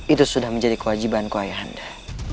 itu sudah menjadi kewajibanku ayahanda